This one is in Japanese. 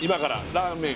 ラーメン